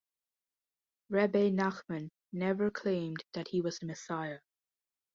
Rebbe Nachman never claimed that he was the Messiah.